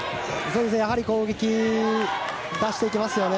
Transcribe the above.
やはり攻撃を出していきますよね。